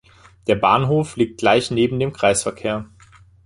Der Bahnhof liegt gleich neben dem Kreisverkehr